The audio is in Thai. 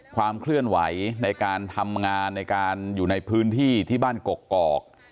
ความเคลื่อนไหวในการทำงานในการอยู่ในพื้นที่ที่บ้านกกอก